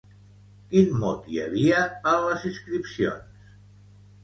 Quin mot hi havia en les inscripcions?